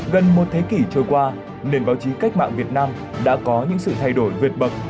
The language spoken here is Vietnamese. gần một thế kỷ trôi qua nền báo chí cách mạng việt nam đã có những sự thay đổi vượt bậc